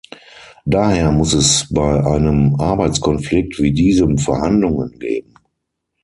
Daher muss es bei einem Arbeitskonflikt wie diesem Verhandlungen geben.